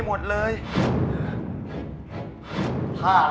เฮ้ยบอย